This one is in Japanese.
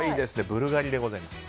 ブルガリでございます。